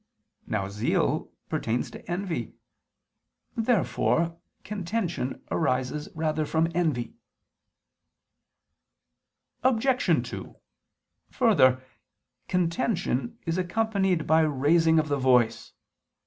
Now zeal pertains to envy. Therefore contention arises rather from envy. Obj. 2: Further, contention is accompanied by raising of the voice.